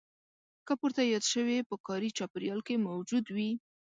که پورته یاد شوي په کاري چاپېریال کې موجود وي.